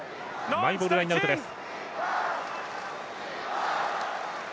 マイボールラインアウトです。